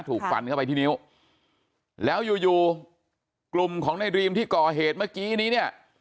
ถูกฟันเข้าไปที่นิ้วแล้วอยู่อยู่กลุ่มของในดรีมที่ก่อเหตุเมื่อกี้นี้เนี่ย